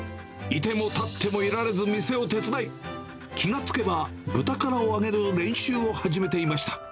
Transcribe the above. いてもたってもいられず、店を手伝い、気がつけばブタカラを揚げる練習を始めていました。